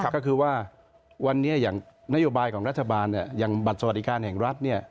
ก็คือว่าวันนี้อย่างนโยบายของรัฐบาลอย่างบัตรสวัสดิการแห่งรัฐ